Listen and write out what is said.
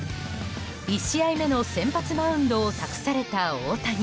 １試合目の先発マウンドを託された大谷。